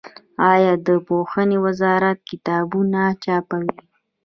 آیا د پوهنې وزارت کتابونه چاپوي؟